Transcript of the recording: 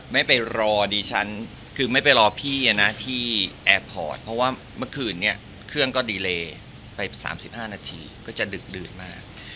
ไม่ไปรอพี่ที่แอร์พอร์ตเพราะว่าเมื่อคืนนี้เครื่องก็ดีเลยไป๓๕นาทีก็จะดึกมาก